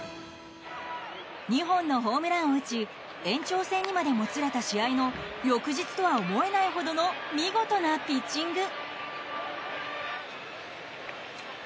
２本のホームランを打ち延長戦にまでもつれた試合の翌日とは思えないほどの見事なピッチング。